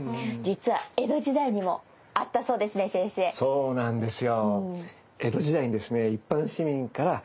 そうなんですよ。